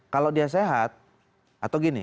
kalau dia sehat atau gini